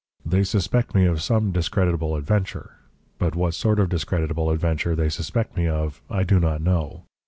They suspect me of some discreditable adventure, but what sort of discreditable adventure they suspect me of, I do not know.